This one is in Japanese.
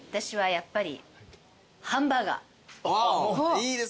いいです